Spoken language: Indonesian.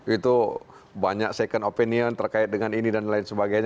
itu banyak second opinion terkait dengan ini dan lain sebagainya